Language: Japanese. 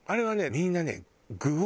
みんなね。